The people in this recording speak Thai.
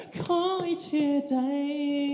ขอให้เชื่อใจ